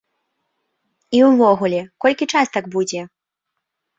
І ўвогуле, колькі частак будзе?